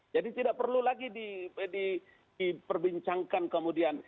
jadi tidak perlu lagi diperbincangkan kemudian